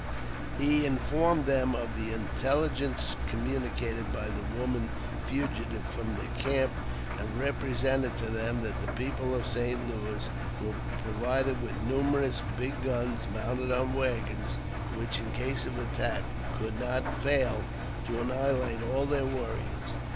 He informed them of the inteUigence commu nicated by the woman fugitive from their camp ; and repre sented to them that the people of St. Louis were provided with numerous ''big guns mounted on waggons," which, in case of attack, could not fail to annihilate all their warriors.